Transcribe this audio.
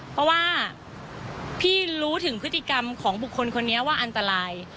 เพราะว่าพี่รู้ถึงพฤติกรรมของบุคคลคนนี้ว่าอันตราย